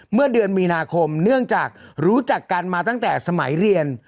เมื่อเดือนมีนาคมเนื่องจากรู้จักกันมาตั้งแต่สมัยเรียน